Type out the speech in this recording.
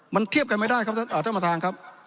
มันเทียบกันไม่ได้ครับท่านประธานครับ